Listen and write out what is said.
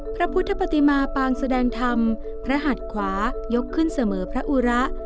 พระพุทธปฏิมาปางแสดงธรรมพระหัดขวายกขึ้นเสมอพระอุระ